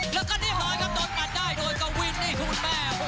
สวัสดีครับ